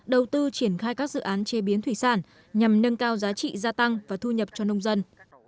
đầu tư triển khai các dự án chế biến thủy sản nhằm nâng cao giá trị gia tăng và thu nhập cho nông dân